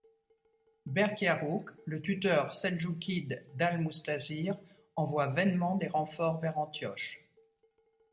Berk-Yaruq le tuteur Seldjoukide d’Al-Mustazhir, envoie vainement des renforts vers Antioche.